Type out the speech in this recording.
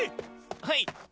はい！